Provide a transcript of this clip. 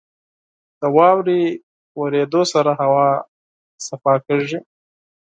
• د واورې اورېدو سره هوا پاکېږي.